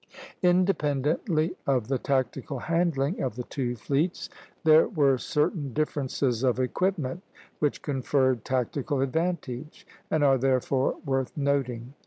Independently of the tactical handling of the two fleets, there were certain differences of equipment which conferred tactical advantage, and are therefore worth noting.